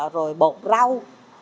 rồi bột rau